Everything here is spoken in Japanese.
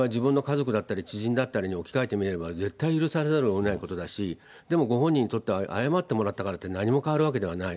それは自分の家族だったり、知人だったりに置き換えてみれば絶対許されざるをえないことだし、でも、ご本人にとっては謝ってもらったからって、何も変わるわけではない。